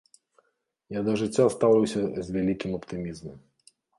Я да жыцця стаўлюся з вялікім аптымізмам.